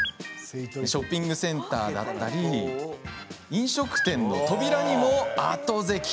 ショッピングセンターや飲食店の扉にも、あとぜき。